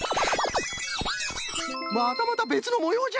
またまたべつのもようじゃ！